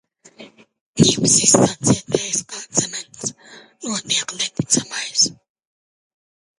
Ģipsis sacietējis kā cements, notiek neticamais.